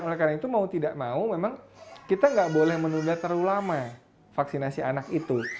oleh karena itu mau tidak mau memang kita nggak boleh menunda terlalu lama vaksinasi anak itu